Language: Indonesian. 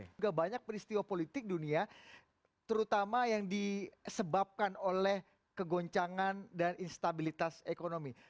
jadi ini adalah hal yang terjadi di istiwa politik dunia terutama yang disebabkan oleh kegoncangan dan instabilitas ekonomi